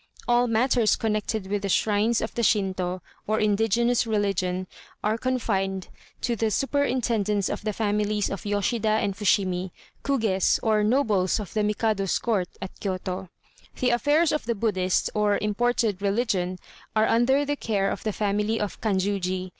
All matters connected with the shrines of the Shintô, or indigenous religion, are confided to the superintendence of the families of Yoshida and Fushimi, Kugés or nobles of the Mikado's court at Kiyôto. The affairs of the Buddhist or imported religion are under the care of the family of Kanjuji.